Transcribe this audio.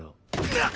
なっ！